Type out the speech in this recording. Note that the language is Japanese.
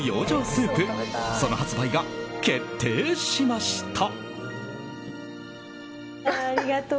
スープその発売が決定しました。